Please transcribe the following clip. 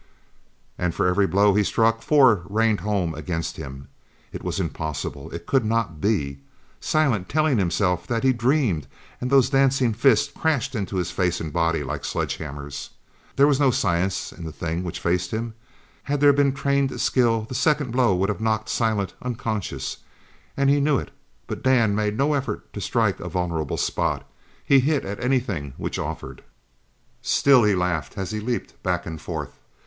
And for every blow he struck four rained home against him. It was impossible! It could not be! Silent telling himself that he dreamed, and those dancing fists crashed into his face and body like sledgehammers. There was no science in the thing which faced him. Had there been trained skill the second blow would have knocked Silent unconscious, and he knew it, but Dan made no effort to strike a vulnerable spot. He hit at anything which offered. Still he laughed as he leaped back and forth.